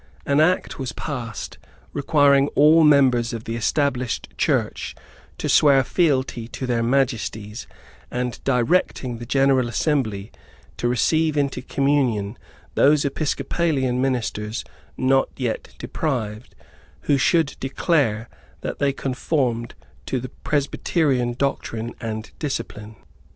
An Act was passed requiring all ministers of the Established Church to swear fealty to their Majesties, and directing the General Assembly to receive into communion those Episcopalian ministers, not yet deprived, who should declare that they conformed to the Presbyterian doctrine and discipline.